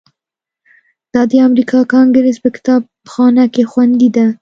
دا د امریکا کانګریس په کتابخانه کې خوندي ده.